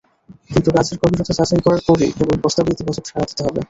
কিন্তু কাজের গভীরতা যাচাই করার পরই কেবল প্রস্তাবে ইতিবাচক সাড়া দিতে হবে।